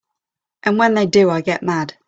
And when they do I get mad.